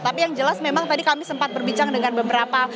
tapi yang jelas memang tadi kami sempat berbincang dengan beberapa